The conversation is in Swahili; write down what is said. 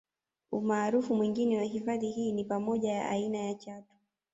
Umaarufu mwingine wa hifadhi hii ni pamoja ya aina ya Chatu